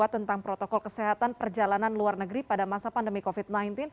tentang protokol kesehatan perjalanan luar negeri pada masa pandemi covid sembilan belas